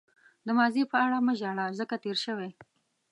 د ماضي په اړه مه ژاړه ځکه چې تېر شوی.